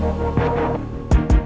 hanya saja kecapean